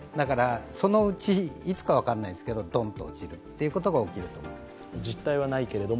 そのうち、いつか分からないけれども、ドンと落ちるということが起きると思います。